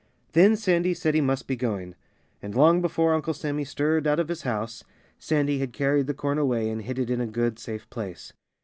Then Sandy said he must be going. And long before Uncle Sammy stirred out of his house Sandy had carried the corn away and hid it in a good, safe place.